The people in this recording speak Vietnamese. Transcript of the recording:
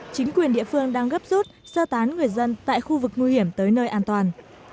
chính quyền địa phương đang gấp rút sơ tán người dân tại khu vực nguy hiểm tới nơi an toàn